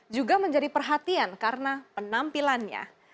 juga menjadi perhatian karena penampilannya